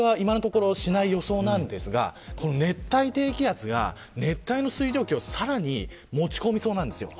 今のところしない予想なんですが、熱帯低気圧が熱帯の水蒸気をさらに持ち込みそうなんです。